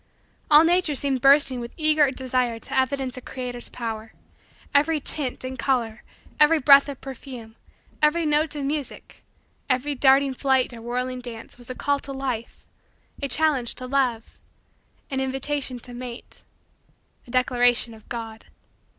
All nature seemed bursting with eager desire to evidence a Creator's power. Every tint and color, every breath of perfume, every note of music, every darting flight or whirling dance, was a call to life a challenge to love an invitation to mate a declaration of God.